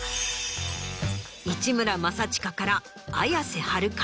市村正親から綾瀬はるか